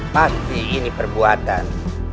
pasti ini perbuatan